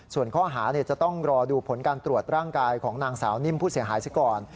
ส่วนข้อหาจะต้องรอดูผลการตรวจร่างกายของนางสาวนิ่มผู้เสียหายซะก่อน